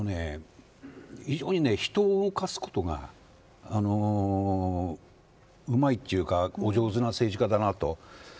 非常に人を動かすことがうまいというかお上手な政治家だなと。